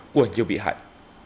của nhiều bị hại